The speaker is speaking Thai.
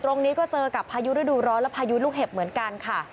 ตรงนี้ก็เจอกับพายุฤดูร้อนและพายุลูกเห็บเหมือนกันค่ะ